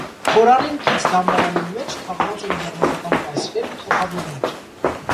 Խորանին կից դամբարանին մէջ թաղուած են գերմանական կայսրեր ու թագաւորներ։